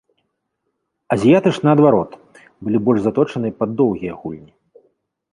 Азіяты ж, наадварот, былі больш заточаныя пад доўгія гульні.